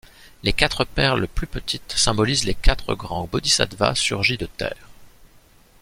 Les quatre perles plus petites symbolisent les quatre grands bodhisattvas surgis de Terre.